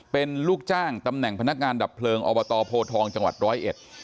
เป็นลูกจ้างตำแหน่งพนักงานดับเพลิงอบตโพทองจังหวัดร้อยเอ็ด